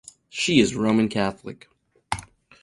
She is Roman Catholic.